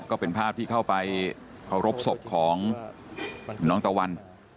ก็เป็นภาพที่เข้าไปเคารพศพของน้องตะวัน